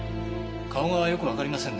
顔がよくわかりませんね。